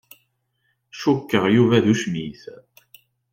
Cukkeɣ Yuba d ucmit.